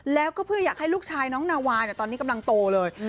แล้วก็เพื่ออยากให้ลูกชายน้องนาวาตอนนี้กำลังโตเลย